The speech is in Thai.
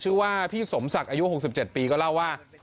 ชื่อว่าพี่สมศักดิ์อายุ๖๗ปีก็เล่าว่า